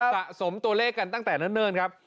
สะสมตัวเลขกันตั้งแต่เนิ่นครับ